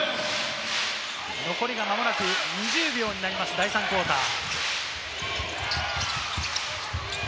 残りまもなく２０秒になります、第３クオーター。